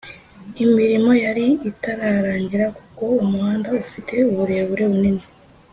Imirimo yari itararangira kuko umuhanda ufite uburebure bunini